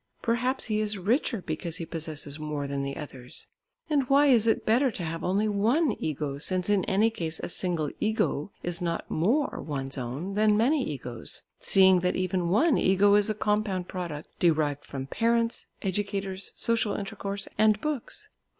Perhaps he is richer because he possesses more than the others. And why is it better to have only one "ego," since in any case a single "ego" is not more one's own than many "egos," seeing that even one "ego" is a compound product derived from parents, educators, social intercourse and books?